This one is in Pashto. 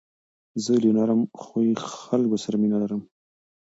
زه له نرم خوی خلکو سره مینه لرم.